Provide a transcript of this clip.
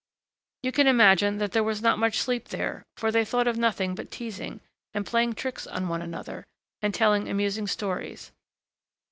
You can imagine that there was not much sleep there, for they thought of nothing but teasing, and playing tricks on one another and telling amusing stories.